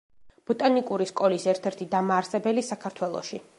ბოტანიკური სკოლის ერთ-ერთი დამაარსებელი საქართველოში.